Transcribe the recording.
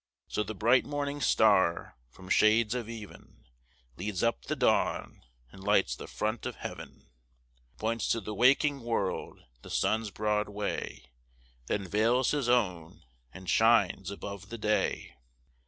So the bright morning star, from shades of ev'n, Leads up the dawn, and lights the front of heav'n, Points to the waking world the sun's broad way, Then veils his own, and shines above the day.